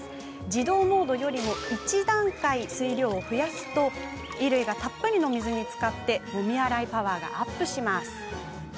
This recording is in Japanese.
自動モードより１段階増やすと衣類がたっぷりの水につかりもみ洗いパワーがアップ。